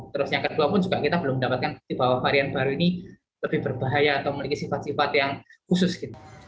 terus yang kedua pun juga kita belum mendapatkan bahwa varian baru ini lebih berbahaya atau memiliki sifat sifat yang khusus gitu